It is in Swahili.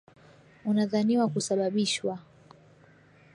Unadhaniwa kusababishwa